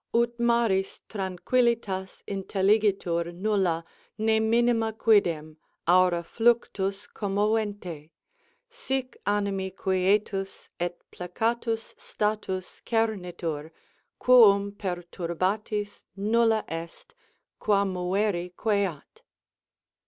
_Ut maris tranquillitas intettigitur, nullâ, ne minima quidem, aura fluctus commovente: Sic animi quietus et placatus status cemitur, quum perturbatis nulla est, qua moveri queat..